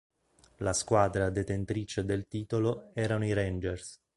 La squadra detentrice del titolo erano i Rangers.